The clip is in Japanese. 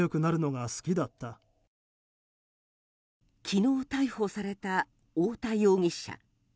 昨日逮捕された太田容疑者。